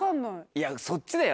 いやそっちだよ。